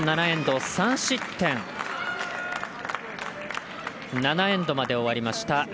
７エンドまで終わりました。